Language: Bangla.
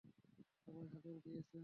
সবাই হাজর দিয়েছেন?